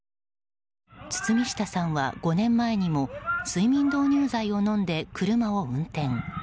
堤下さんは５年前にも睡眠導入剤を飲んで車を運転。